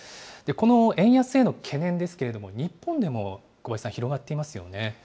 この円安への懸念ですけれども、日本でも小林さん、広がっていますよね。